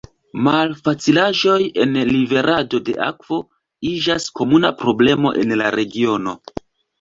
Malfacilaĵoj en liverado de akvo iĝas komuna problemo en la regiono.